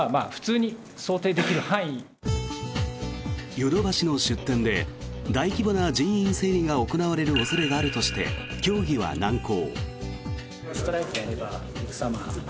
ヨドバシの出店で大規模な人員整理が行われる恐れがあるとして協議は難航。